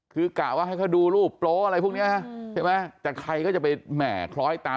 คือกะว่าให้เขาดูรูปโปรอะไรพวกนี้ใช่ไหมแต่ใครก็จะไปแหม่คล้อยตา